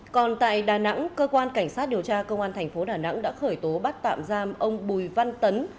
còn tại đà nẵng cơ quan cảnh sát điều tra công an thành phố đà nẵng đã khởi tố bắt tạm giam ông bùi văn tấn